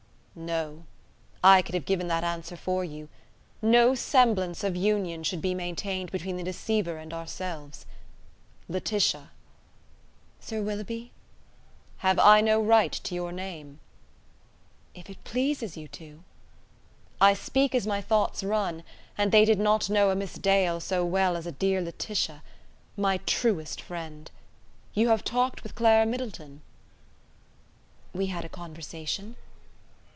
"No. I could have given that answer for you. No semblance of union should be maintained between the deceiver and ourselves. Laetitia!" "Sir Willoughby?" "Have I no right to your name?" "If it pleases you to ..." "I speak as my thoughts run, and they did not know a Miss Dale so well as a dear Laetitia: my truest friend! You have talked with Clara Middleton?" "We had a conversation."